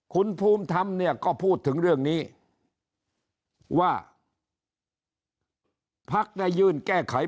คุณภูมิธรรมเนี่ยก็พูดถึงเรื่องนี้ว่าพักได้ยื่นแก้ไข